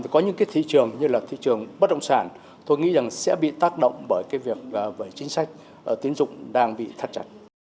có những cái thị trường như là thị trường bất động sản tôi nghĩ rằng sẽ bị tác động bởi cái việc với chính sách tiến dụng đang bị thắt chặt